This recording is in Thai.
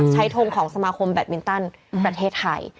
ทงของสมาคมแบตมินตันประเทศไทย